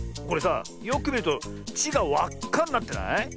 これさよくみると「ち」がわっかになってない？